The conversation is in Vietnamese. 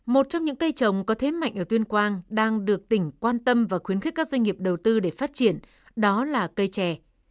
một trong những cây trồng có thế mạnh ở tuyên quang đang được tỉnh quan tâm và khuyến khích các doanh nghiệp đầu tư để phát triển đó là cây chè